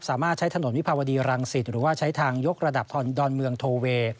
สามารถใช้ถนนวิภาวดีรังสิตหรือว่าใช้ทางยกระดับดอนเมืองโทเวย์